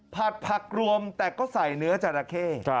ผักรวมแต่ก็ใส่เนื้อจราเข้